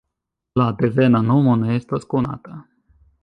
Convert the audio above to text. La devena nomo ne estas konata.